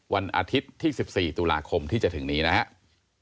วันอาทิตย์ที่๑๔ตุลาคมที่จะถึงนี้นะครับ